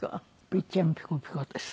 「ピッチャンピコピコ」です。